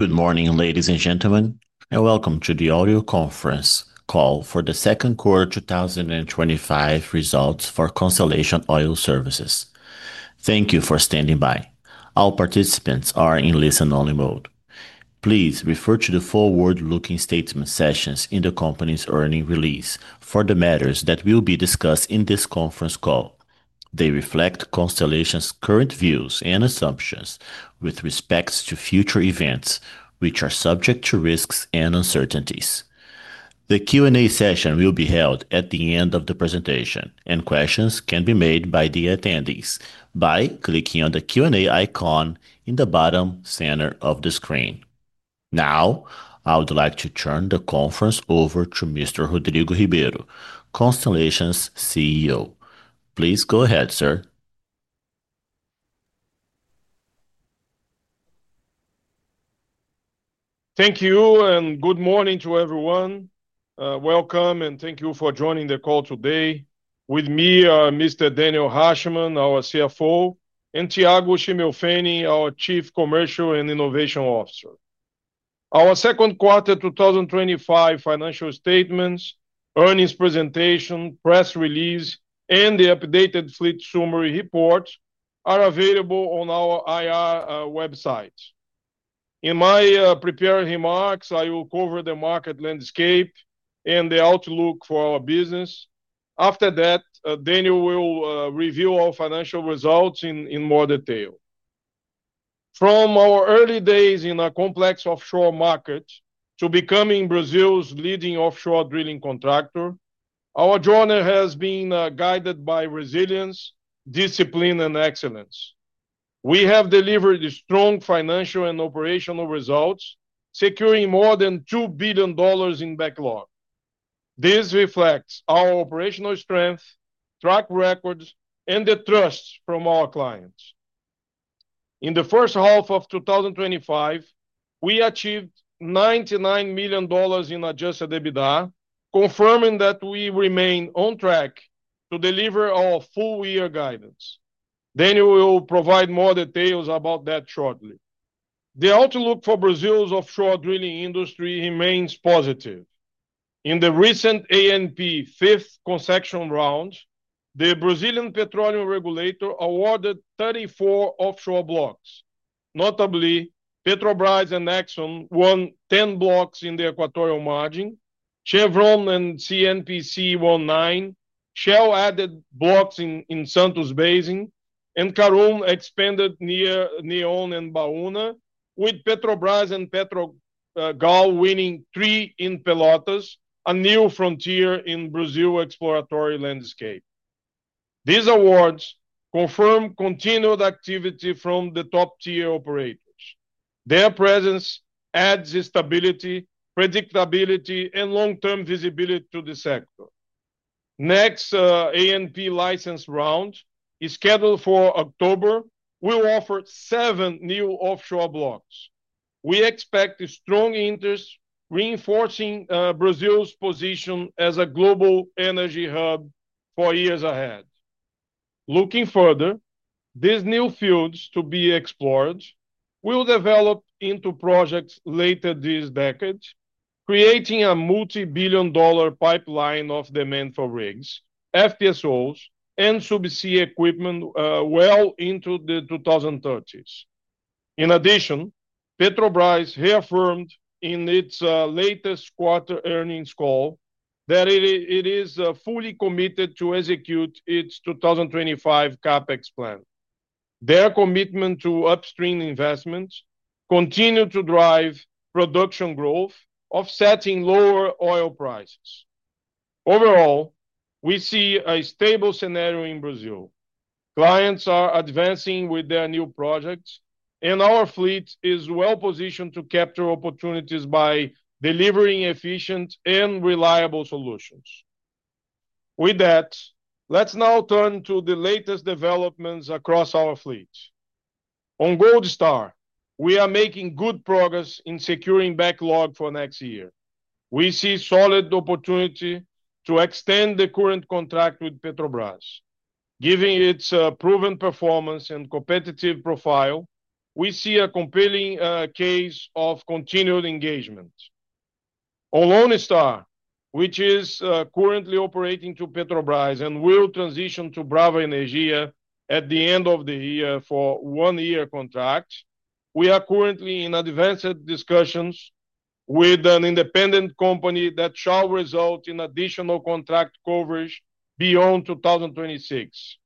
Good morning, ladies and gentlemen, and welcome to the Audio Conference Call for the Second Quarter 2025 Results for Constellation Oil Services. Thank you for standing by. All participants are in listen-only mode. Please refer to the forward-looking statement sections in the company's earnings release for the matters that will be discussed in this conference call. They reflect Constellation's current views and assumptions with respect to future events, which are subject to risks and uncertainties. The Q&A session will be held at the end of the presentation, and questions can be made by the attendees by clicking on the Q&A icon in the bottom center of the screen. Now, I would like to turn the conference over to Mr. Rodrigo Ribeiro, Constellation's CEO. Please go ahead, sir. Thank you, and good morning to everyone. Welcome, and thank you for joining the call today. With me are Mr. Daniel Rachman, our CFO, and Thiago Schimmelpfennig, our Chief Commercial and Innovation Officer. Our second quarter 2025 financial statements, earnings presentation, press release, and the updated fleet summary reports are available on our IR website. In my prepared remarks, I will cover the market landscape and the outlook for our business. After that, Daniel will review our financial results in more detail. From our early days in a complex offshore market to becoming Brazil's leading offshore drilling contractor, our journey has been guided by resilience, discipline, and excellence. We have delivered strong financial and operational results, securing more than $2 billion in backlog. This reflects our operational strength, track records, and the trust from our clients. In the first half of 2025, we achieved $99 million in adjusted EBITDA, confirming that we remain on track to deliver our full-year guidance. Daniel will provide more details about that shortly. The outlook for Brazil's offshore drilling industry remains positive. In the recent ANP fifth concession round, the Brazilian petroleum regulator awarded 34 offshore blocks. Notably, Petrobras and ExxonMobil won 10 blocks in the equatorial margin, Chevron and CNPC won 9, Shell added blocks in Santos Basin, and Karoon expanded near Neon and Baúna, with Petrobras and Petrogal winning 3 in Pelotas, a new frontier in Brazil's exploratory landscape. These awards confirm continued activity from the top-tier operators. Their presence adds stability, predictability, and long-term visibility to the sector. The next ANP license round, scheduled for October, will offer seven new offshore blocks. We expect strong interest, reinforcing Brazil's position as a global energy hub for years ahead. Looking further, these new fields to be explored will develop into projects later this decade, creating a multi-billion-dollar pipeline of demand for rigs, FPSOs, and subsea equipment well into the 2030s. In addition, Petrobras reaffirmed in its latest quarter earnings call that it is fully committed to execute its 2025 CapEx plan. Their commitment to upstream investments continues to drive production growth, offsetting lower oil prices. Overall, we see a stable scenario in Brazil. Clients are advancing with their new projects, and our fleet is well-positioned to capture opportunities by delivering efficient and reliable solutions. With that, let's now turn to the latest developments across our fleet. On Gold Star, we are making good progress in securing backlog for next year. We see solid opportunity to extend the current contract with Petrobras. Given its proven performance and competitive profile, we see a compelling case of continued engagement. On Lone Star, which is currently operating through Petrobras and will transition to Brava Energia at the end of the year for a one-year contract, we are currently in advanced discussions with an independent company that shall result in additional contract coverage beyond 2026.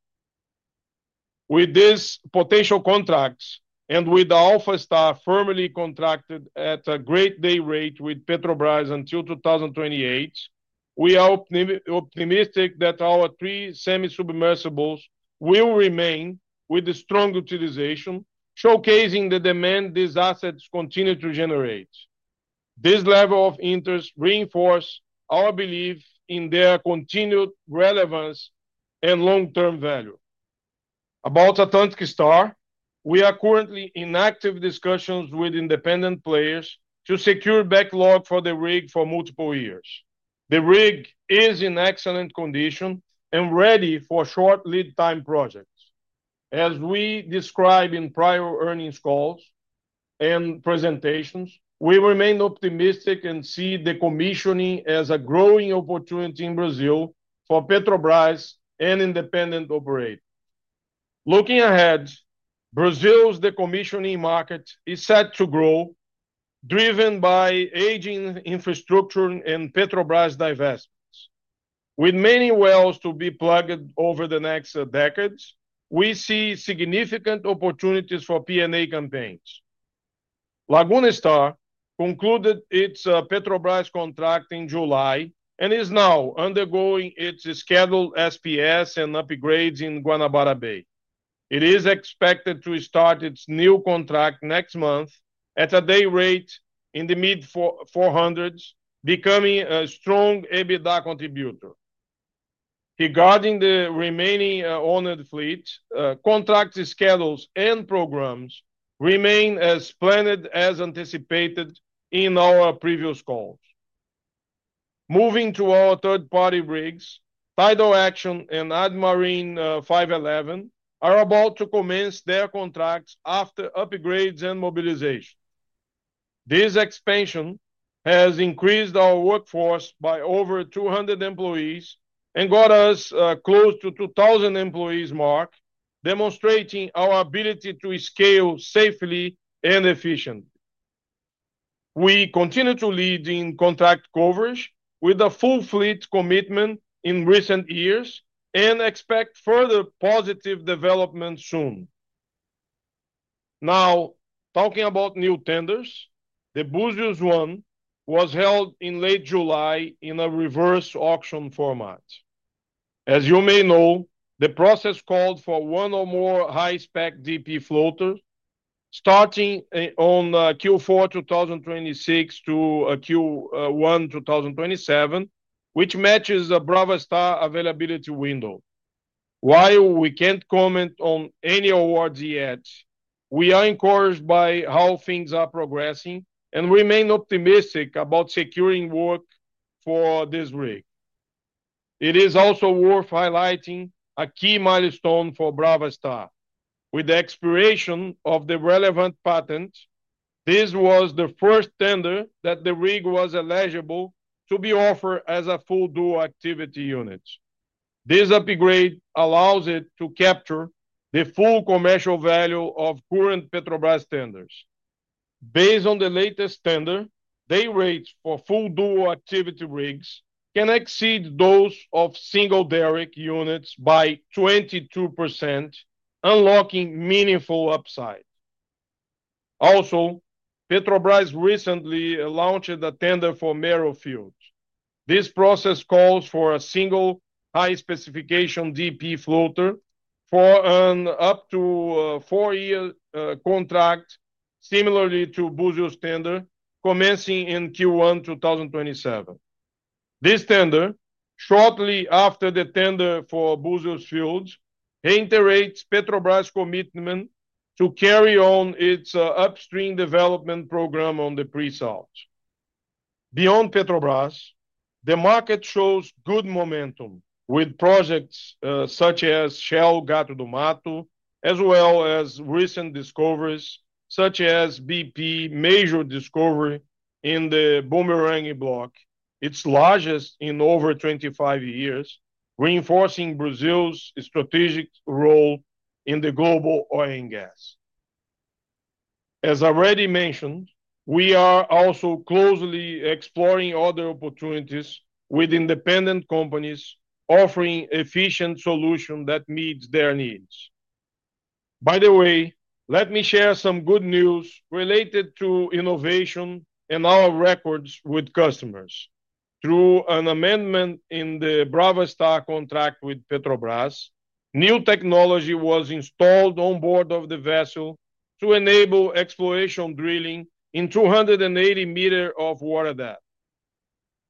With these potential contracts and with Alpha Star firmly contracted at a great day rate with Petrobras until 2028, we are optimistic that our three semi-submersibles will remain with strong utilization, showcasing the demand these assets continue to generate. This level of interest reinforces our belief in their continued relevance and long-term value. About Atlantic Star, we are currently in active discussions with independent players to secure backlog for the rig for multiple years. The rig is in excellent condition and ready for short lead-time projects. As we described in prior earnings calls and presentations, we remain optimistic and see decommissioning as a growing opportunity in Brazil for Petrobras and independent operators. Looking ahead, Brazil's decommissioning market is set to grow, driven by aging infrastructure and Petrobras divestments. With many wells to be plugged over the next decades, we see significant opportunities for P&A campaigns. Laguna Star concluded its Petrobras contract in July and is now undergoing its scheduled SPS and upgrades in Guanabara Bay. It is expected to start its new contract next month at a day rate in the mid $400,000s, becoming a strong EBITDA contributor. Regarding the remaining owned fleet, contract schedules and programs remain as planned and as anticipated in our previous calls. Moving to our third-party rigs, Tidal Action and Admarine 511 are about to commence their contracts after upgrades and mobilization. This expansion has increased our workforce by over 200 employees and got us close to the 2,000-employee mark, demonstrating our ability to scale safely and efficiently. We continue to lead in contract coverage with a full fleet commitment in recent years and expect further positive developments soon. Now, talking about new tenders, the Búzios One was held in late July in a reverse auction format. As you may know, the process called for one or more high-spec DP floaters, starting in Q4 2026 to Q1 2027, which matches the Brava Star availability window. While we can't comment on any awards yet, we are encouraged by how things are progressing and remain optimistic about securing work for this rig. It is also worth highlighting a key milestone for Brava Star. With the expiration of the relevant patent, this was the first tender that the rig was eligible to be offered as a full dual activity unit. This upgrade allows it to capture the full commercial value of current Petrobras tenders. Based on the latest tender, day rates for full dual activity rigs can exceed those of single derrick units by 22%, unlocking meaningful upside. Also, Petrobras recently launched a tender for Mero Field. This process calls for a single high-specification DP floater for up to a four-year contract, similarly to the Búzios tender commencing in Q1 2027. This tender, shortly after the tender for Búzios Fields, reiterates Petrobras' commitment to carry on its upstream development program on the pre-salt. Beyond Petrobras, the market shows good momentum with projects such as Shell Gato do Mato, as well as recent discoveries such as BP major discovery in the Boomerang Block, its largest in over 25 years, reinforcing Brazil's strategic role in the global oil and gas. As already mentioned, we are also closely exploring other opportunities with independent companies offering efficient solutions that meet their needs. By the way, let me share some good news related to innovation and our records with customers. Through an amendment in the Brava Star contract with Petrobras, new technology was installed on board the vessel to enable exploration drilling in 280 m of water depth.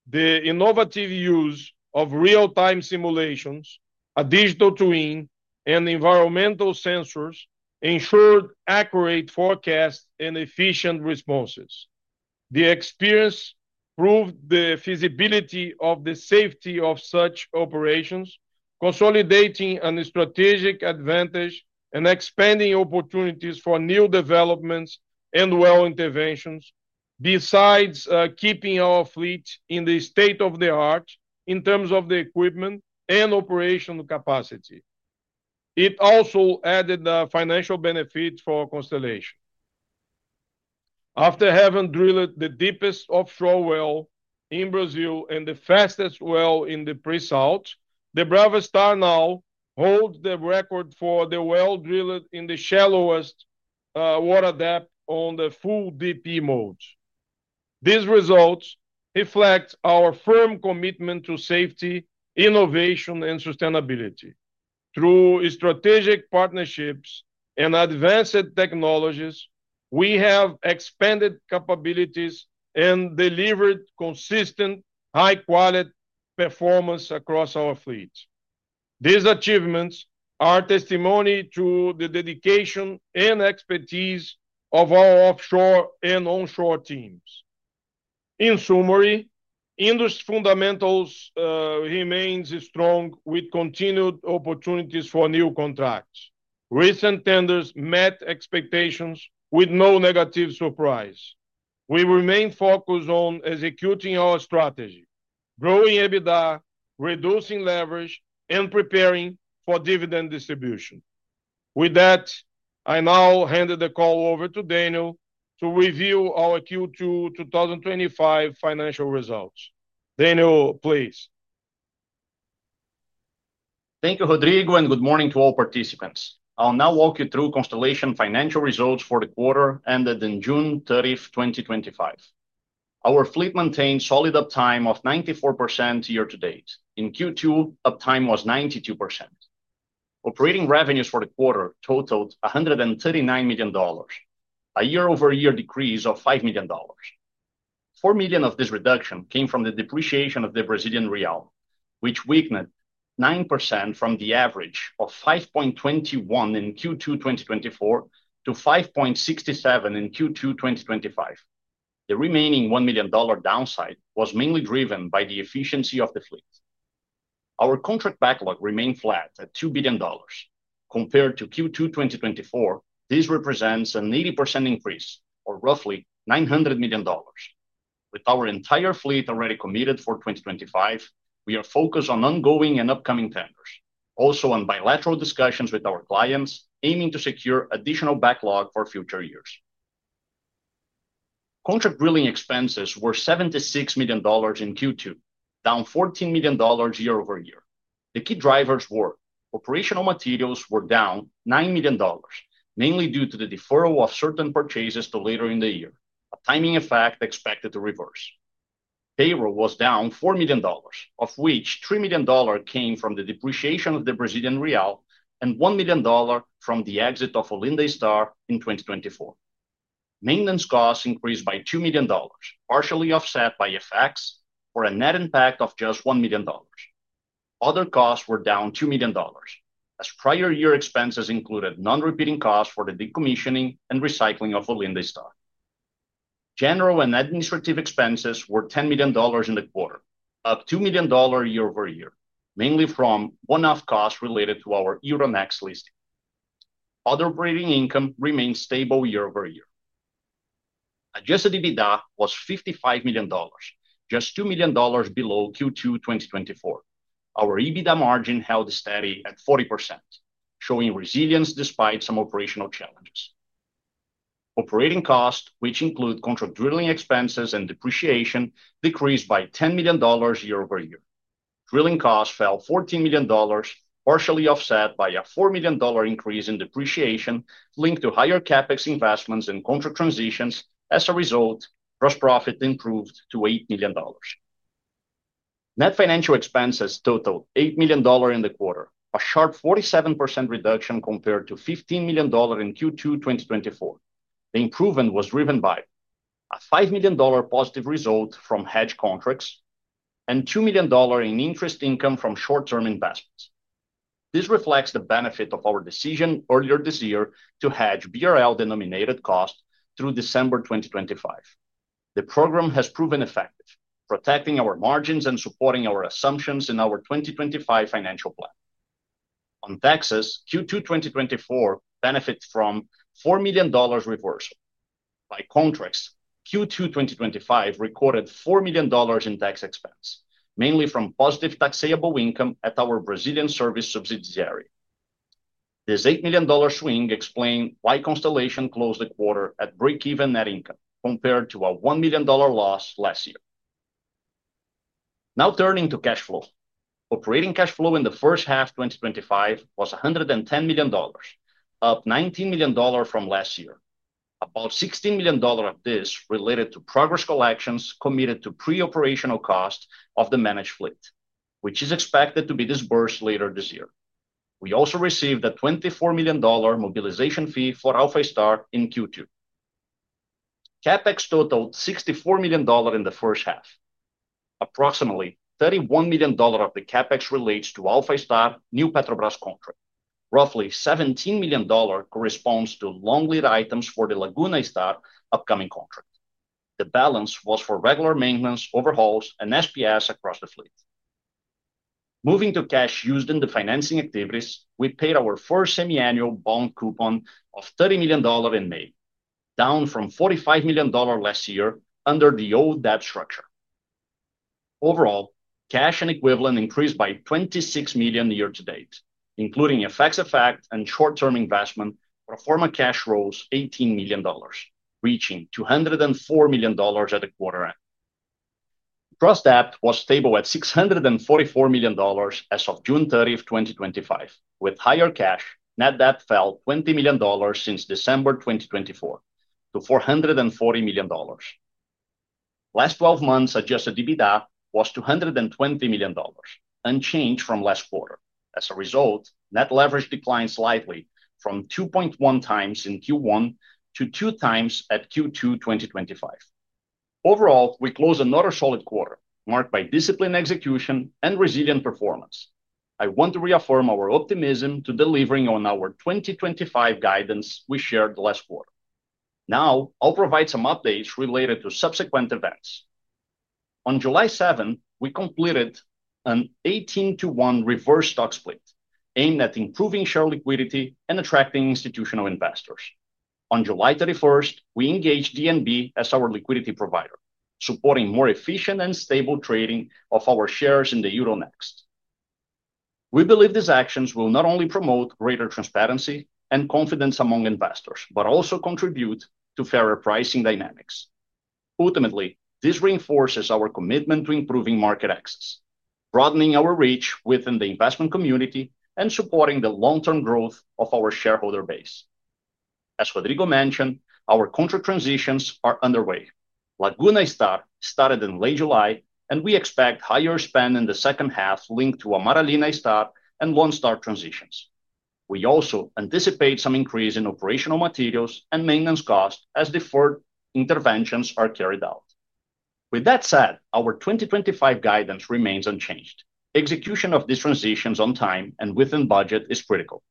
The innovative use of real-time simulations, a digital twin, and environmental sensors ensured accurate forecasts and efficient responses. The experience proved the feasibility and the safety of such operations, consolidating a strategic advantage and expanding opportunities for new developments and well interventions, besides keeping our fleet in the state-of-the-art in terms of the equipment and operational capacity. It also added financial benefits for Constellation. After having drilled the deepest offshore well in Brazil and the fastest well in the pre-salt, the Brava Star now holds the record for the well drilled in the shallowest water depth on the full DP mode. These results reflect our firm commitment to safety, innovation, and sustainability. Through strategic partnerships and advanced technologies, we have expanded capabilities and delivered consistent, high-quality performance across our fleet. These achievements are a testimony to the dedication and expertise of our offshore and onshore teams. In summary, the industry fundamentals remain strong, with continued opportunities for new contracts. Recent tenders met expectations with no negative surprises. We remain focused on executing our strategy, growing EBITDA, reducing leverage, and preparing for dividend distribution. With that, I now hand the call over to Daniel to review our Q2 2025 Financial Results. Daniel, please. Thank you, Rodrigo, and good morning to all participants. I'll now walk you through Constellation Financial Results for the Quarter Ended On June 30, 2025. Our fleet maintained a solid uptime of 94% year to date. In Q2, uptime was 92%. Operating revenues for the quarter totaled $139 million, a year-over-year decrease of $5 million. $4 million of this reduction came from the depreciation of the Brazilian real, which weakened 9% from the average of 5.21 in Q2 2024 to 5.67 in Q2 2025. The remaining $1 million downside was mainly driven by the efficiency of the fleet. Our contract backlog remained flat at $2 billion. Compared to Q2 2024, this represents an 80% increase, or roughly $900 million. With our entire fleet already committed for 2025, we are focused on ongoing and upcoming tenders, also on bilateral discussions with our clients, aiming to secure additional backlog for future years. Contract drilling expenses were $76 million in Q2, down $14 million year-over-year. The key drivers were operational materials were down $9 million, mainly due to the deferral of certain purchases to later in the year, a timing effect expected to reverse. Payroll was down $4 million, of which $3 million came from the depreciation of the Brazilian real and $1 million from the exit of Olinda Star in 2024. Maintenance costs increased by $2 million, partially offset by effects for a net impact of just $1 million. Other costs were down $2 million, as prior year expenses included non-repeating costs for the decommissioning and recycling of Olinda Star. General and administrative expenses were $10 million in the quarter, up $2 million year-over-year, mainly from one-off costs related to our Euronext listing. Other operating income remained stable year-over-year. Adjusted EBITDA was $55 million, just $2 million below Q2 2024. Our EBITDA margin held steady at 40%, showing resilience despite some operational challenges. Operating costs, which include contract drilling expenses and depreciation, decreased by $10 million year-over-year. Drilling costs fell to $14 million, partially offset by a $4 million increase in depreciation linked to higher CAPEX investments and contract transitions. As a result, gross profit improved to $8 million. Net financial expenses totaled $8 million in the quarter, a sharp 47% reduction compared to $15 million in Q2 2024. The improvement was driven by a $5 million positive result from hedge contracts and $2 million in interest income from short-term investments. This reflects the benefit of our decision earlier this year to hedge BRL-denominated costs through December 2025. The program has proven effective, protecting our margins and supporting our assumptions in our 2025 financial plan. On taxes, Q2 2024 benefits from a $4 million reversal. By contrast, Q2 2025 recorded $4 million in tax expense, mainly from positive taxable income at our Brazilian service subsidiary. This $8 million swing explains why Constellation closed the quarter at break-even net income compared to a $1 million loss last year. Now turning to cash flow. Operating cash flow in the first half of 2025 was $110 million, up $19 million from last year. About $16 million of this related to progress collections committed to pre-operational costs of the managed fleet, which is expected to be disbursed later this year. We also received a $24 million mobilization fee for Alpha Star in Q2. CapEx totaled $64 million in the first half. Approximately $31 million of the CapEx relates to Alpha Star's new Petrobras contract. Roughly $17 million corresponds to long-lead items for the Laguna Star upcoming contract. The balance was for regular maintenance, overhauls, and SPS across the fleet. Moving to cash used in financing activities, we paid our first semiannual bond coupon of $30 million in May, down from $45 million last year under the old debt structure. Overall, cash and equivalents increased by $26 million year to date, including FX effect and short-term investment, or former cash rose $18 million, reaching $204 million at the quarter end. Gross debt was stable at $644 million as of June 30, 2025. With higher cash, net debt fell $20 million since December 2024 to $440 million. Last 12 months, adjusted EBITDA was $220 million, unchanged from last quarter. As a result, net leverage declined slightly from 2.1x in Q1 to 2x at Q2 2025. Overall, we close another solid quarter marked by disciplined execution and resilient performance. I want to reaffirm our optimism to delivering on our 2025 guidance we shared last quarter. Now, I'll provide some updates related to subsequent events. On July 7, we completed an 18:1 reverse stock split, aimed at improving share liquidity and attracting institutional investors. On July 31, we engaged DNB as our liquidity provider, supporting more efficient and stable trading of our shares in Euronext. We believe these actions will not only promote greater transparency and confidence among investors, but also contribute to fairer pricing dynamics. Ultimately, this reinforces our commitment to improving market access, broadening our reach within the investment community, and supporting the long-term growth of our shareholder base. As Rodrigo mentioned, our contract transitions are underway. Laguna Star started in late July, and we expect higher spend in the second half linked to Amaralina Star and Lone Star transitions. We also anticipate some increase in operational materials and maintenance costs as deferred interventions are carried out. With that said, our 2025 guidance remains unchanged. Execution of these transitions on time and within budget is critical,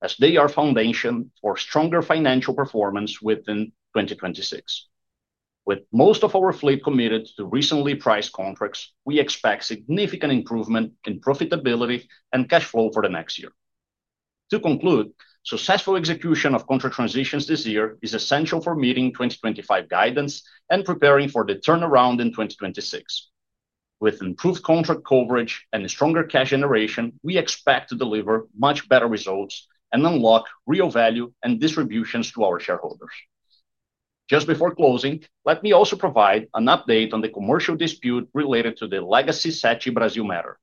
as they are the foundation for stronger financial performance within 2026. With most of our fleet committed to recently priced contracts, we expect significant improvement in profitability and cash flow for the next year. To conclude, successful execution of contract transitions this year is essential for meeting 2025 guidance and preparing for the turnaround in 2026. With improved contract coverage and stronger cash generation, we expect to deliver much better results and unlock real value and distributions to our shareholders. Just before closing, let me also provide an update on the commercial dispute related to the legacy Sete Brazil matter.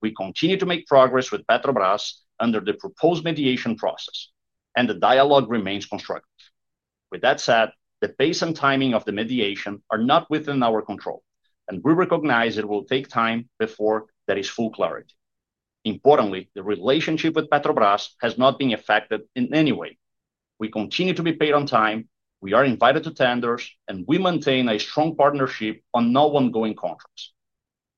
We continue to make progress with Petrobras under the proposed mediation process, and the dialogue remains constructive. With that said, the pace and timing of the mediation are not within our control, and we recognize it will take time before there is full clarity. Importantly, the relationship with Petrobras has not been affected in any way. We continue to be paid on time, we are invited to tenders, and we maintain a strong partnership on ongoing contracts.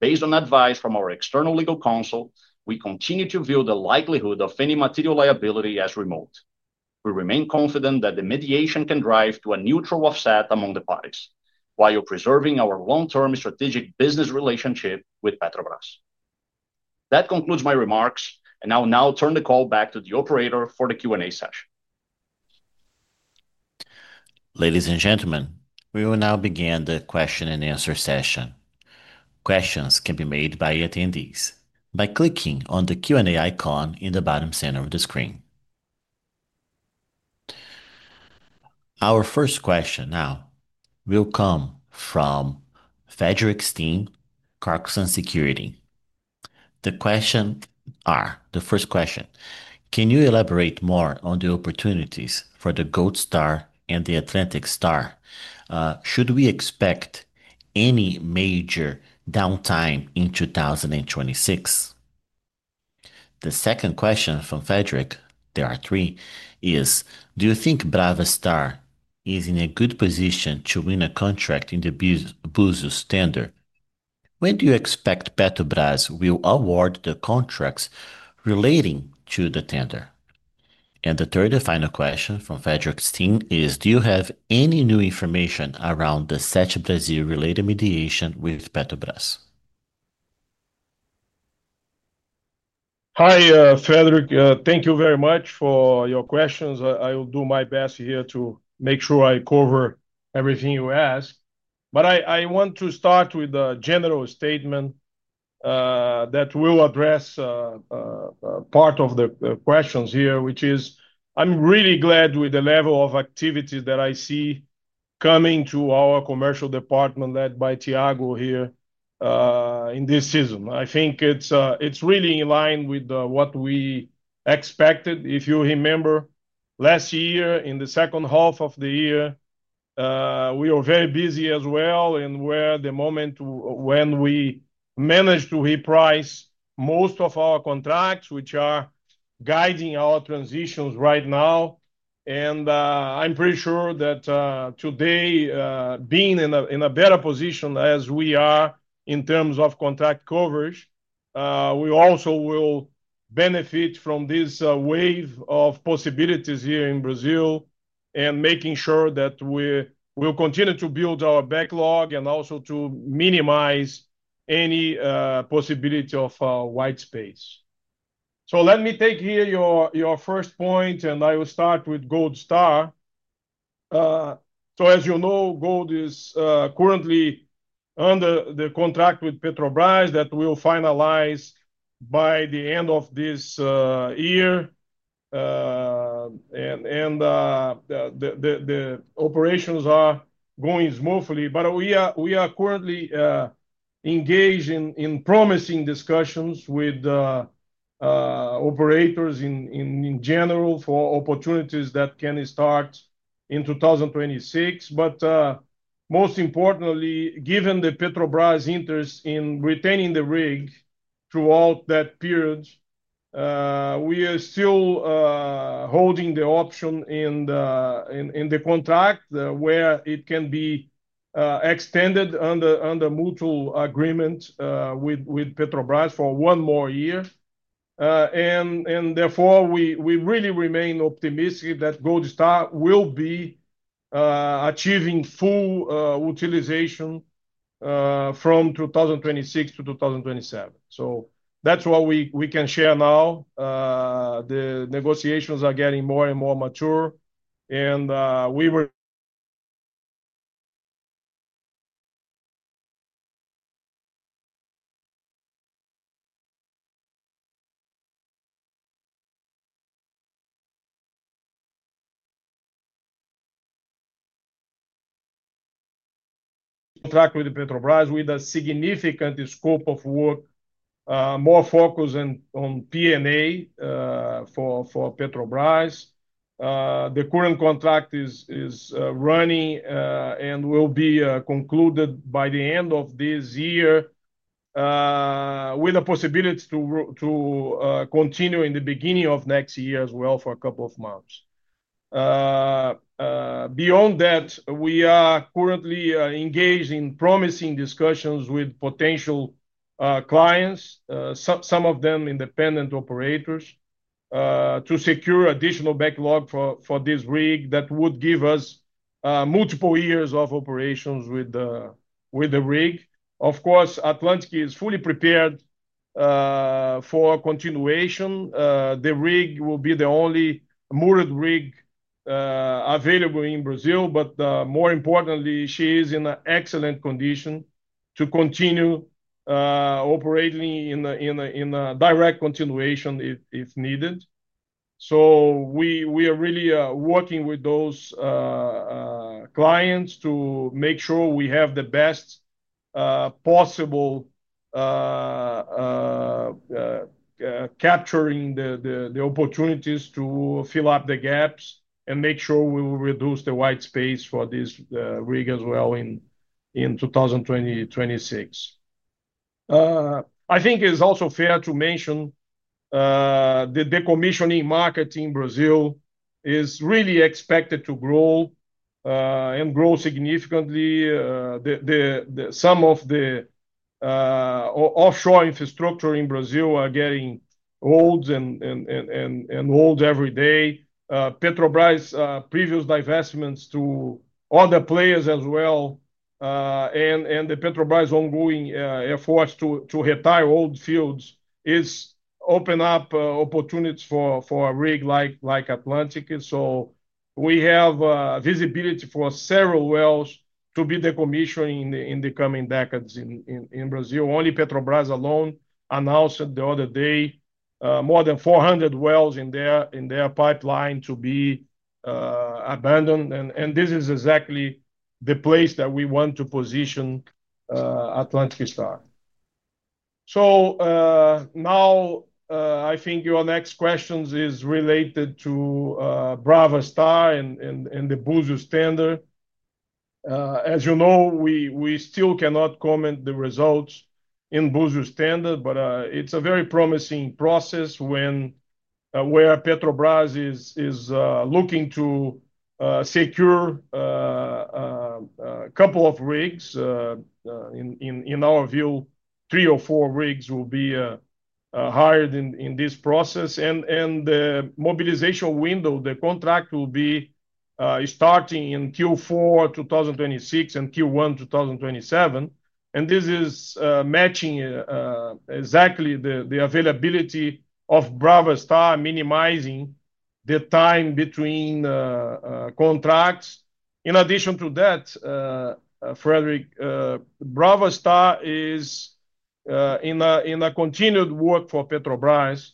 Based on advice from our external legal counsel, we continue to view the likelihood of any material liability as remote. We remain confident that the mediation can drive to a neutral offset among the parties, while preserving our long-term strategic business relationship with Petrobras. That concludes my remarks, and I will now turn the call back to the operator for the Q&A session. Ladies and gentlemen, we will now begin the question-and-answer session. Questions can be made by attendees by clicking on the Q&A icon in the bottom center of the screen. Our first question now will come from Frederic Steen, Clarkson Security. The question is, the first question: Can you elaborate more on the opportunities for the Gold Star and the Atlantic Star? Should we expect any major downtime in 2026? The second question from Frederic, there are three, is: Do you think Brava Star is in a good position to win a contract in the Búzios tender? When do you expect Petrobras will award the contracts relating to the tender? The third and final question from Frederic Steen is: Do you have any new information around the Sete Brazil related mediation with Petrobras? Hi, Frederic. Thank you very much for your questions. I will do my best here to make sure I cover everything you asked. I want to start with a general statement that will address part of the questions here, which is: I'm really glad with the level of activity that I see coming to our commercial department led by Thiago here in this season. I think it's really in line with what we expected. If you remember last year, in the second half of the year, we were very busy as well, and we're at the moment when we managed to reprice most of our contracts, which are guiding our transitions right now. I'm pretty sure that today, being in a better position as we are in terms of contract coverage, we also will benefit from this wave of possibilities here in Brazil and making sure that we will continue to build our backlog and also to minimize any possibility of white space. Let me take here your first point, and I will start with Gold Star. As you know, Gold Star is currently under the contract with Petrobras that will finalize by the end of this year, and the operations are going smoothly. We are currently engaged in promising discussions with operators in general for opportunities that can start in 2026. Most importantly, given the Petrobras interest in retaining the rig throughout that period, we are still holding the option in the contract where it can be extended under a mutual agreement with Petrobras for one more year. Therefore, we really remain optimistic that Gold Star will be achieving full utilization from 2026 to 2027. That's what we can share now. The negotiations are getting more and more mature, and we are tracking with Petrobras with a significant scope of work, more focus on P&A for Petrobras. The current contract is running and will be concluded by the end of this year, with the possibility to continue in the beginning of next year as well for a couple of months. Beyond that, we are currently engaged in promising discussions with potential clients, some of them independent operators, to secure additional backlog for this rig that would give us multiple years of operations with the rig. Of course, Atlantic Star is fully prepared for continuation. The rig will be the only moored rig available in Brazil, but more importantly, she is in excellent condition to continue operating in direct continuation if needed. We are really working with those clients to make sure we have the best possible capturing the opportunities to fill up the gaps and make sure we will reduce the white space for this rig as well in 2026. I think it's also fair to mention the decommissioning market in Brazil is really expected to grow and grow significantly. Some of the offshore infrastructure in Brazil are getting old and old every day. Petrobras' previous divestments to other players as well, and Petrobras' ongoing efforts to retire old fields open up opportunities for a rig like Atlantic Star. We have visibility for several wells to be decommissioned in the coming decades in Brazil. Only Petrobras alone announced the other day more than 400 wells in their pipeline to be abandoned, and this is exactly the place that we want to position Atlantic Star. I think your next question is related to Brava Star and the Búzios tender. As you know, we still cannot comment the results in Búzios tender, but it's a very promising process where Petrobras is looking to secure a couple of rigs. In our view, three or four rigs will be hired in this process, and the mobilization window, the contract will be starting in Q4 2026 and Q1 2027. This is matching exactly the availability of Brava Star, minimizing the time between contracts. In addition to that, Frederic, Brava Star is in a continued work for Petrobras,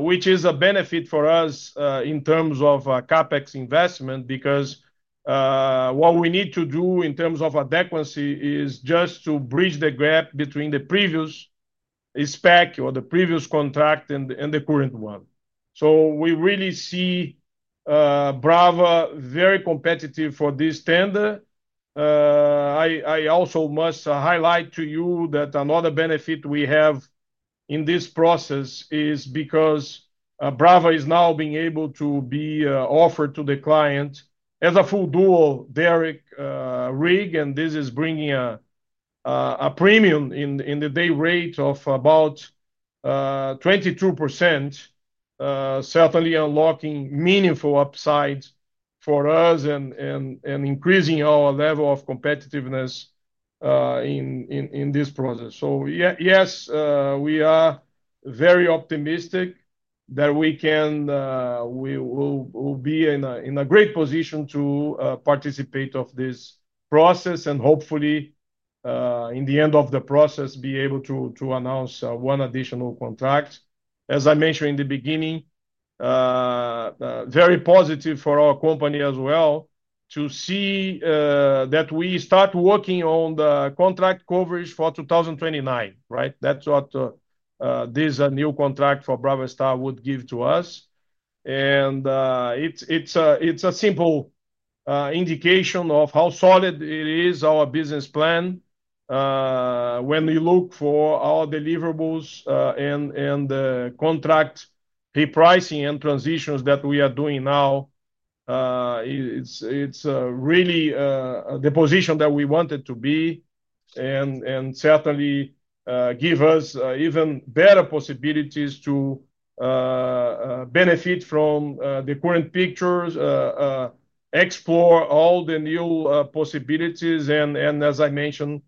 which is a benefit for us in terms of CapEx investment because what we need to do in terms of adequacy is just to bridge the gap between the previous spec or the previous contract and the current one. We really see Brava very competitive for this tender. I also must highlight to you that another benefit we have in this process is because Brava is now being able to be offered to the client as a full dual derrick rig, and this is bringing a premium in the day rate of about 22%, certainly unlocking meaningful upsides for us and increasing our level of competitiveness in this process. We are very optimistic that we will be in a great position to participate in this process and hopefully, in the end of the process, be able to announce one additional contract. As I mentioned in the beginning, very positive for our company as well to see that we start working on the contract coverage for 2029, right? That's what this new contract for Brava Star would give to us. It's a simple indication of how solid it is, our business plan, when we look for our deliverables and contract repricing and transitions that we are doing now. It's really the position that we wanted to be in and certainly gives us even better possibilities to benefit from the current pictures, explore all the new possibilities, and as I mentioned,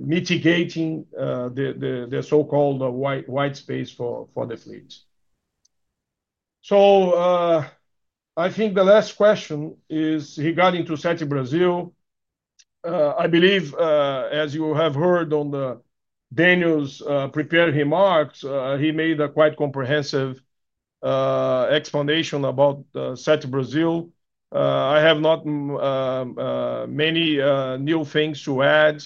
mitigating the so-called white space for the fleet. I think the last question is regarding Sete Brazil. I believe, as you have heard on Daniel's prepared remarks, he made a quite comprehensive explanation about Sete Brazil. I have not many new things to add.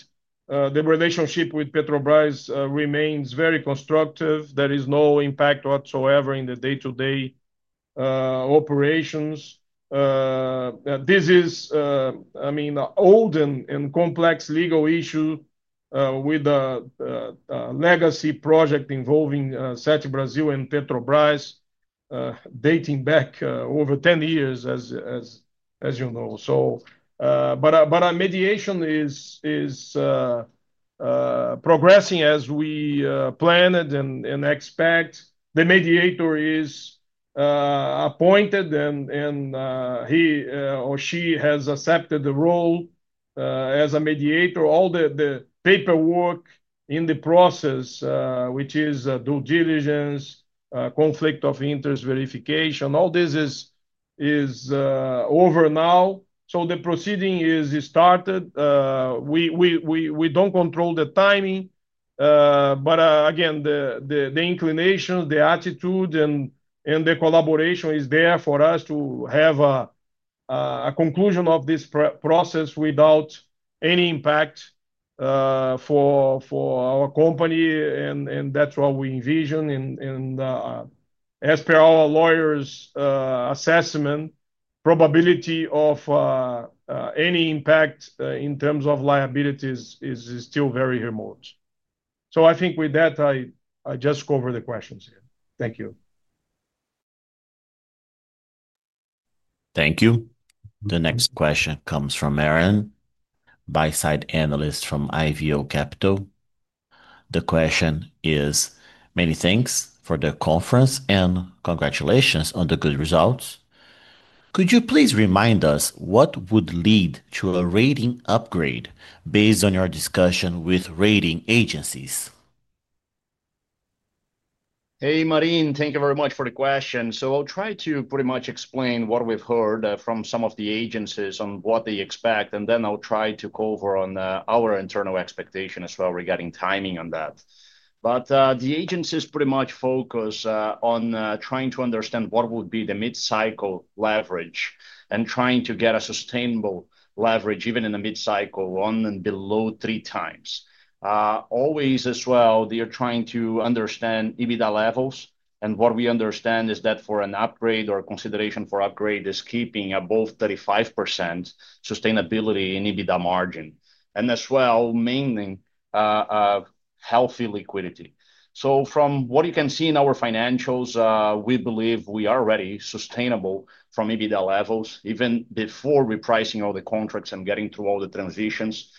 The relationship with Petrobras remains very constructive. There is no impact whatsoever in the day-to-day operations. This is, I mean, an old and complex legal issue with a legacy project involving Sete Brazil and Petrobras dating back over 10 years, as you know. Our mediation is progressing as we planned and expect. The mediator is appointed, and he or she has accepted the role as a mediator. All the paperwork in the process, which is due diligence, conflict of interest verification, all this is over now. The proceeding is started. We don't control the timing, but again, the inclination, the attitude, and the collaboration is there for us to have a conclusion of this process without any impact for our company. That's what we envision. As per our lawyer's assessment, the probability of any impact in terms of liabilities is still very remote. I think with that, I just covered the questions here. Thank you. Thank you. The next question comes from Aaron, bio-side analyst from IVO Capital. The question is: Many thanks for the conference and congratulations on the good results. Could you please remind us what would lead to a rating upgrade based on your discussion with rating agencies? Hey, Marine, thank you very much for the question. I'll try to pretty much explain what we've heard from some of the agencies on what they expect, and then I'll try to go over our internal expectation as well regarding timing on that. The agencies pretty much focus on trying to understand what would be the mid-cycle leverage and trying to get a sustainable leverage even in a mid-cycle on and below 3x. Always as well, they are trying to understand EBITDA levels, and what we understand is that for an upgrade or consideration for upgrade is keeping above 35% sustainability in EBITDA margin, and as well, mainly healthy liquidity. From what you can see in our financials, we believe we are ready, sustainable from EBITDA levels, even before repricing all the contracts and getting through all the transitions.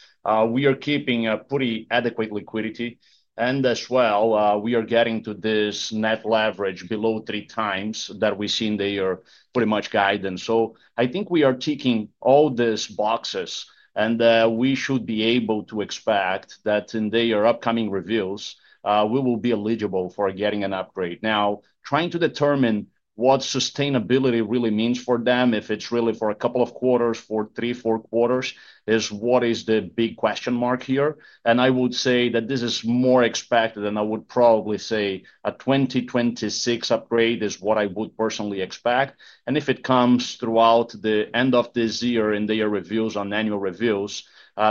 We are keeping a pretty adequate liquidity, and as well, we are getting to this net leverage below 3x that we see in their pretty much guidance. I think we are ticking all these boxes, and we should be able to expect that in their upcoming reviews, we will be eligible for getting an upgrade. Now, trying to determine what sustainability really means for them, if it's really for a couple of quarters, for three, four quarters, is what is the big question mark here. I would say that this is more expected, and I would probably say a 2026 upgrade is what I would personally expect. If it comes throughout the end of this year in their reviews on annual reviews,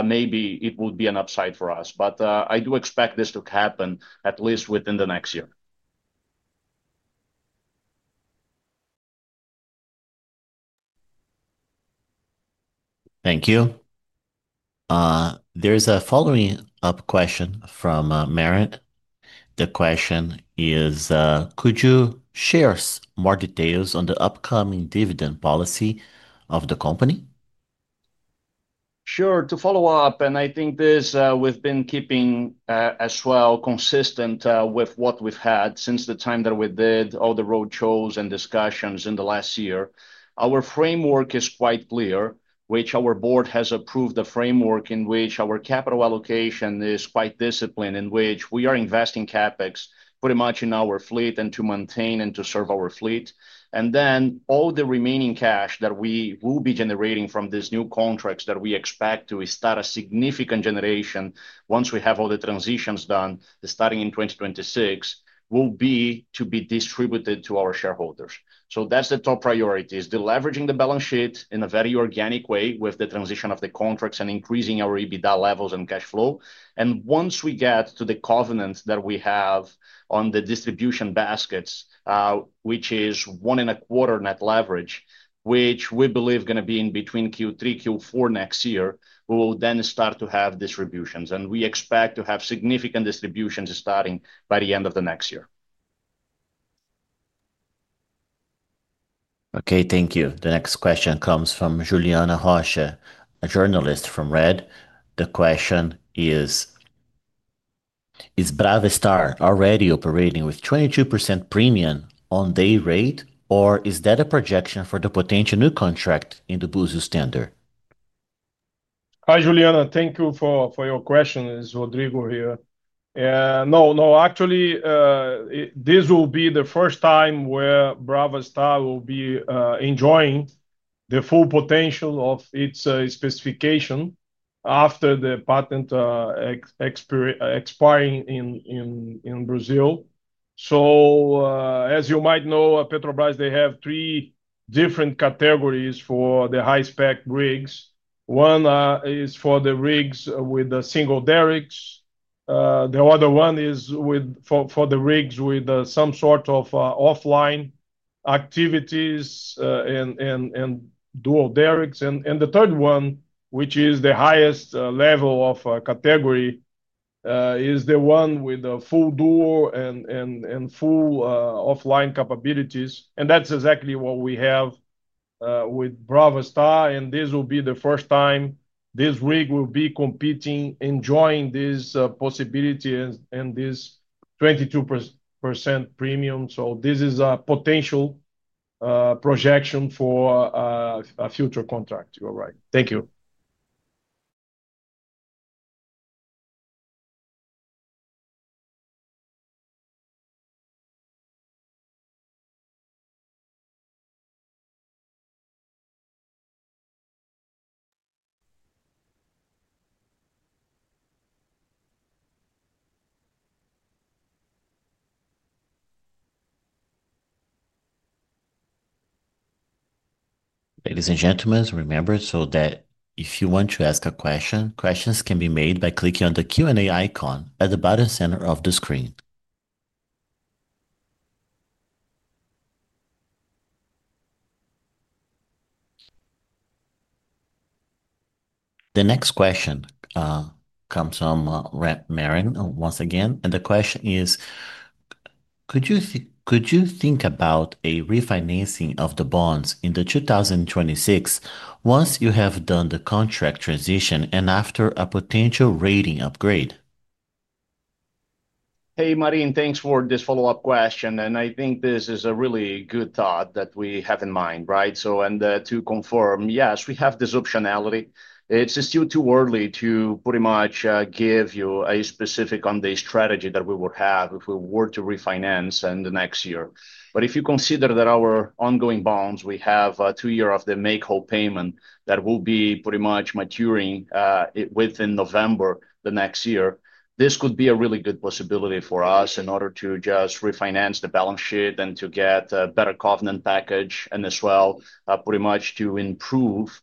maybe it would be an upside for us. I do expect this to happen at least within the next year. Thank you. There is a follow-up question from Merritt. The question is: Could you share more details on the upcoming dividend policy of the company? Sure, to follow up, and I think this we've been keeping as well consistent with what we've had since the time that we did all the roadshows and discussions in the last year. Our framework is quite clear, which our Board has approved a framework in which our capital allocation is quite disciplined, in which we are investing CapEx pretty much in our fleet and to maintain and to serve our fleet. All the remaining cash that we will be generating from these new contracts that we expect to start a significant generation once we have all the transitions done starting in 2026 will be to be distributed to our shareholders. That's the top priority: leveraging the balance sheet in a very organic way with the transition of the contracts and increasing our EBITDA levels and cash flow. Once we get to the covenants that we have on the distribution baskets, which is 1.25x net leverage, which we believe is going to be in between Q3, Q4 next year, we will then start to have distributions. We expect to have significant distributions starting by the end of the next year. Okay, thank you. The next question comes from Juliana Rocha, a journalist from REDD. The question is: Is Brava Star already operating with 22% premium on day rate, or is that a projection for the potential new contract in the Búzios tender? Hi, Juliana. Thank you for your question. It's Rodrigo here. No, actually, this will be the first time where Brava Star will be enjoying the full potential of its specification after the patent expiring in Brazil. As you might know, Petrobras, they have three different categories for the high-spec rigs. One is for the rigs with the single derricks. The other one is for the rigs with some sort of offline activities and dual derricks. The third one, which is the highest level of category, is the one with the full dual and full offline capabilities. That's exactly what we have with Brava Star, and this will be the first time this rig will be competing, enjoying this possibility and this 22% premium. This is a potential projection for a future contract. You're right. Thank you. Ladies and gentlemen, remember that if you want to ask a question, questions can be made by clicking on the Q&A icon at the bottom center of the screen. The next question comes from Marin once again, and the question is: Could you think about a refinancing of the bonds in 2026 once you have done the contract transition and after a potential rating upgrade? Hey, Marin, thanks for this follow-up question. I think this is a really good thought that we have in mind, right? To confirm, yes, we have this optionality. It's still too early to pretty much give you a specific on the strategy that we would have if we were to refinance in the next year. If you consider that our ongoing bonds, we have two years of the make-whole payment that will be pretty much maturing within November next year, this could be a really good possibility for us in order to just refinance the balance sheet and to get a better covenant package and as well pretty much to improve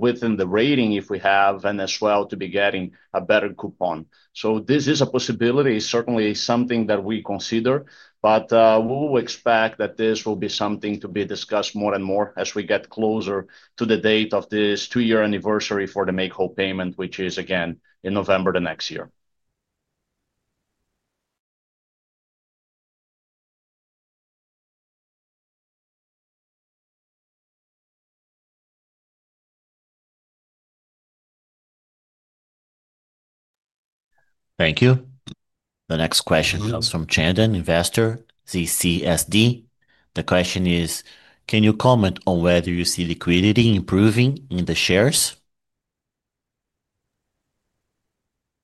within the rating if we have and as well to be getting a better coupon. This is a possibility, certainly something that we consider, but we will expect that this will be something to be discussed more and more as we get closer to the date of this two-year anniversary for the make-whole payment, which is again in November next year. Thank you. The next question comes from Chandan, investor CCSD. The question is: Can you comment on whether you see liquidity improving in the shares?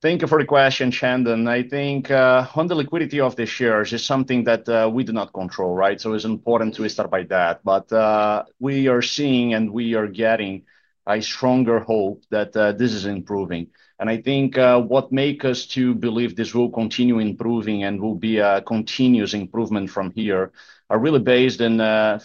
Thank you for the question, Chandan. I think on the liquidity of the shares is something that we do not control, right? It is important to start by that. We are seeing and we are getting a stronger hope that this is improving. I think what makes us believe this will continue improving and will be a continuous improvement from here are really based in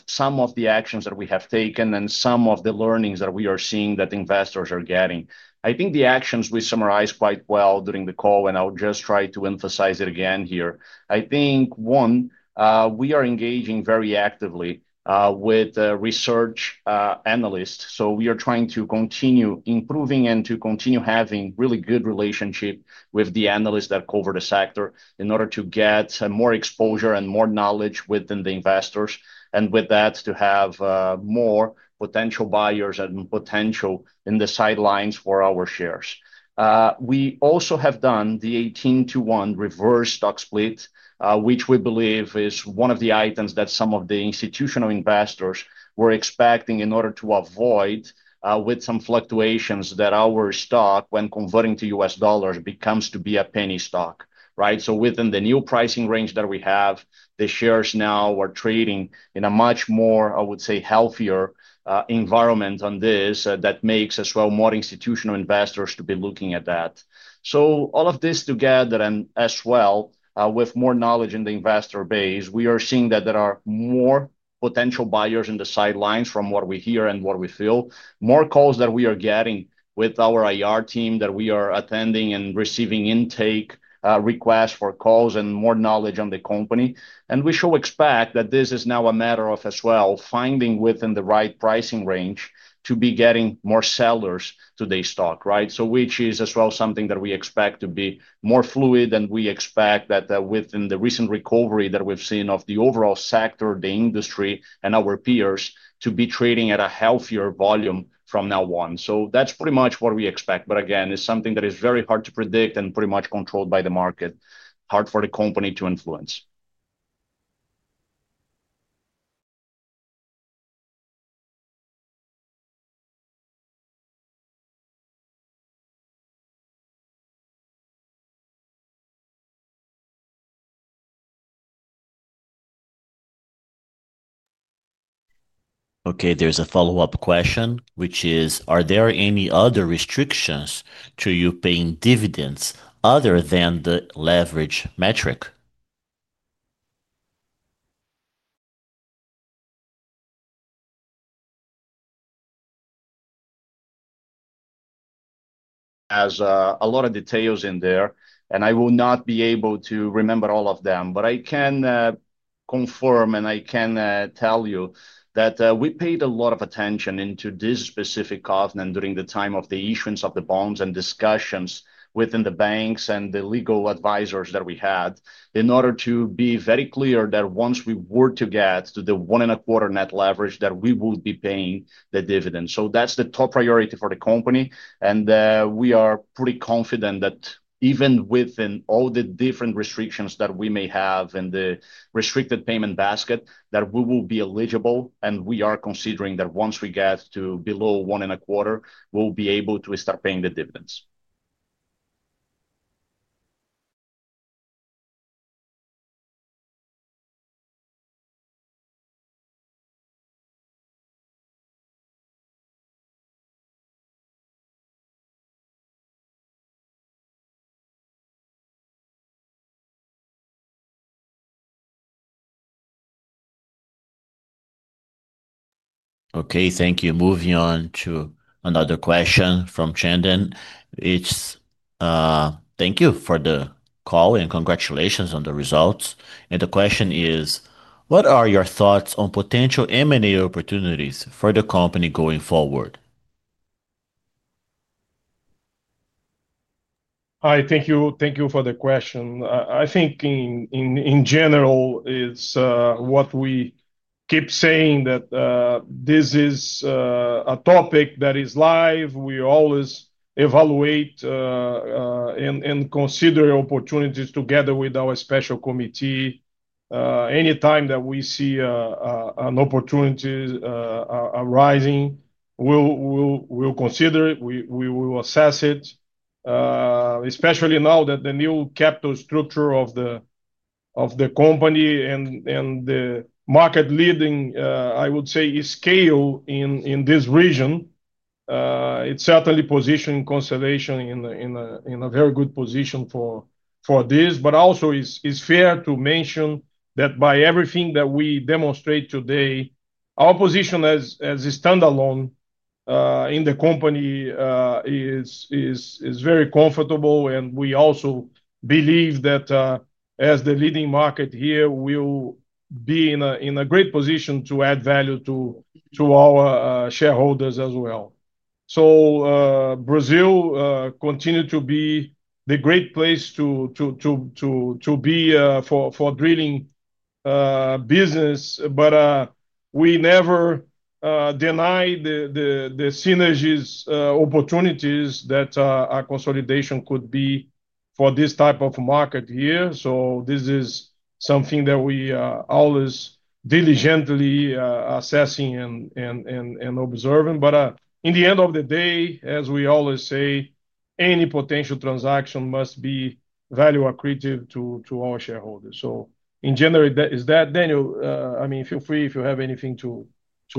some of the actions that we have taken and some of the learnings that we are seeing that investors are getting. I think the actions we summarized quite well during the call, and I'll just try to emphasize it again here. One, we are engaging very actively with research analysts. We are trying to continue improving and to continue having really good relationships with the analysts that cover the sector in order to get more exposure and more knowledge within the investors, and with that to have more potential buyers and potential in the sidelines for our shares. We also have done the 18:1 reverse stock split, which we believe is one of the items that some of the institutional investors were expecting in order to avoid with some fluctuations that our stock, when converting to U.S. dollars, becomes to be a penny stock, right? Within the new pricing range that we have, the shares now are trading in a much more, I would say, healthier environment on this that makes as well more institutional investors to be looking at that. All of this together, and as well with more knowledge in the investor base, we are seeing that there are more potential buyers in the sidelines from what we hear and what we feel. More calls that we are getting with our IR team that we are attending and receiving intake requests for calls and more knowledge on the company. We should expect that this is now a matter of as well finding within the right pricing range to be getting more sellers to the stock, right? This is as well something that we expect to be more fluid and we expect that within the recent recovery that we've seen of the overall sector, the industry, and our peers to be trading at a healthier volume from now on. That is pretty much what we expect. Again, it's something that is very hard to predict and pretty much controlled by the market, hard for the company to influence. Okay, there's a follow-up question, which is: Are there any other restrictions to you paying dividends other than the leverage metric? are a lot of details in there, and I will not be able to remember all of them, but I can confirm and I can tell you that we paid a lot of attention to this specific covenant during the time of the issuance of the bonds and discussions with the banks and the legal advisors that we had in order to be very clear that once we were to get to the 1.25x net leverage, we will be paying the dividend. That's the top priority for the company, and we are pretty confident that even within all the different restrictions that we may have in the restricted payment basket, we will be eligible and we are considering that once we get to below 1.25x, we'll be able to start paying the dividends. Okay, thank you. Moving on to another question from Chandan. It's: Thank you for the call and congratulations on the results. The question is: What are your thoughts on potential M&A opportunities for the company going forward? Hi, thank you. Thank you for the question. I think in general, it's what we keep saying that this is a topic that is live. We always evaluate and consider opportunities together with our special committee. Anytime that we see an opportunity arising, we'll consider it. We will assess it, especially now that the new capital structure of the company and the market leading, I would say, scale in this region. It's certainly positioned Constellation in a very good position for this, but also it's fair to mention that by everything that we demonstrate today, our position as a standalone in the company is very comfortable. We also believe that as the leading market here, we'll be in a great position to add value to our shareholders as well. Brazil continues to be the great place to be for drilling business. We never deny the synergies opportunities that a consolidation could be for this type of market here. This is something that we are always diligently assessing and observing. In the end of the day, as we always say, any potential transaction must be value accretive to our shareholders. In general, is that Daniel? I mean, feel free if you have anything to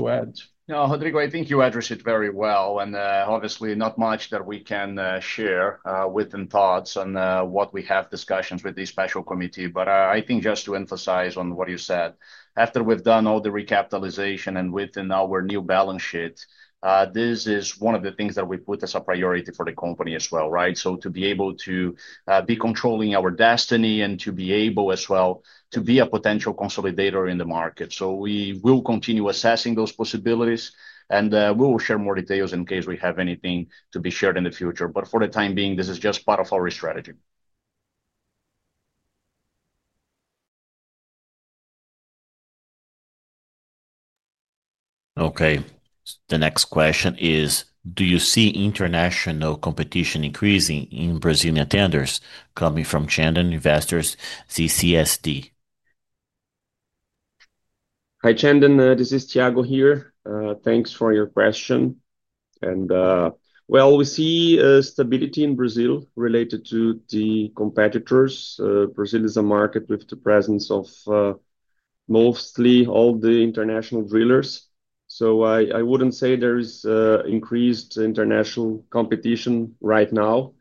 add. No, Rodrigo, I think you addressed it very well, and obviously not much that we can share within thoughts on what we have discussions with the special committee. I think just to emphasize on what you said, after we've done all the recapitalization and within our new balance sheet, this is one of the things that we put as a priority for the company as well, right? To be able to be controlling our destiny and to be able as well to be a potential consolidator in the market. We will continue assessing those possibilities, and we will share more details in case we have anything to be shared in the future. For the time being, this is just part of our strategy. Okay, the next question is: Do you see international competition increasing in Brazilian tenders coming from Chinese investors, CNPC? Hi, Chandan. This is Thiago here. Thanks for your question. We see stability in Brazil related to the competitors. Brazil is a market with the presence of mostly all the international drillers. I wouldn't say there is increased international competition right now,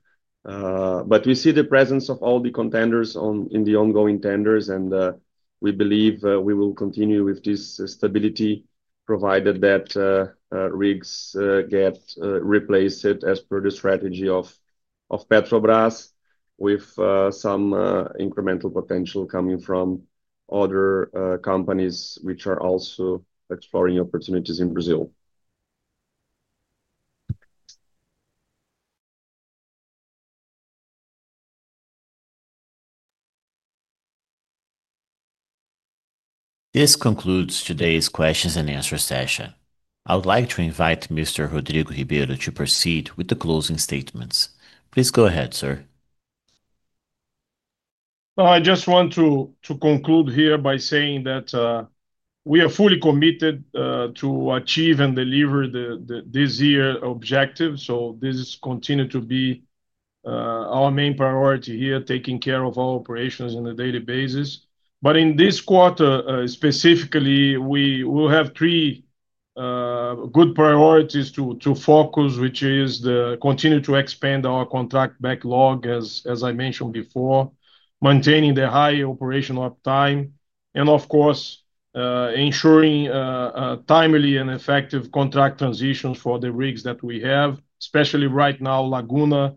but we see the presence of all the contenders in the ongoing tenders, and we believe we will continue with this stability provided that rigs get replaced as per the strategy of Petrobras, with some incremental potential coming from other companies which are also exploring opportunities in Brazil. This concludes today's questions-and-answers session. I would like to invite Mr. Rodrigo Ribeiro to proceed with the closing statements. Please go ahead, sir. I just want to conclude here by saying that we are fully committed to achieve and deliver this year's objective. This continues to be our main priority here, taking care of our operations on a daily basis. In this quarter specifically, we will have three good priorities to focus on, which are to continue to expand our contract backlog, as I mentioned before, maintaining the high operational uptime, and of course, ensuring timely and effective contract transitions for the rigs that we have, especially right now, Laguna Star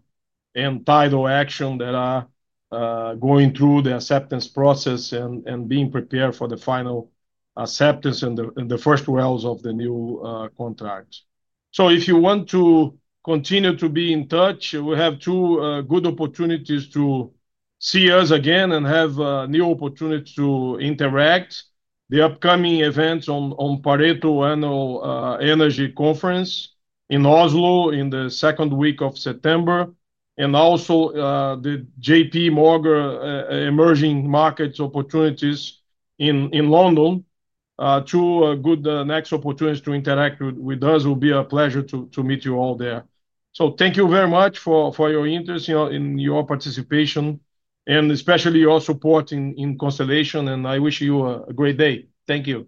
and Tidal Action that are going through the acceptance process and being prepared for the final acceptance in the first wells of the new contracts. If you want to continue to be in touch, we have two good opportunities to see us again and have new opportunities to interact. The upcoming events are the Pareto Annual Energy Conference in Oslo in the second week of September, and also the JPMorgan Emerging Markets Opportunities in London. Two good next opportunities to interact with us. It will be a pleasure to meet you all there. Thank you very much for your interest, your participation, and especially your support in Constellation Oil Services, and I wish you a great day. Thank you.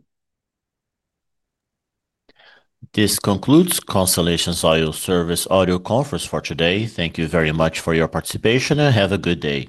This concludes Constellation Oil Services' Audio Conference for today. Thank you very much for your participation and have a good day.